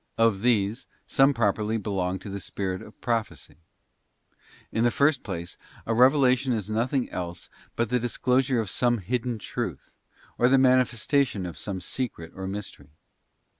Of these, some properly belong to the spirit of Prophecy. In the first place, a revelation is nothing else but the disclosure of some hidden truth, or the manifestation of some secret or mystery.